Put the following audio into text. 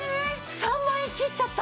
３万円切っちゃった！